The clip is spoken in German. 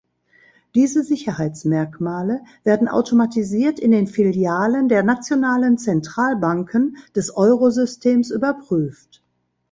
Diese Sicherheitsmerkmale werden automatisiert in den Filialen der nationalen Zentralbanken des Eurosystems überprüft.